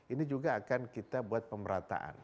ini juga akan kita buat pemerataan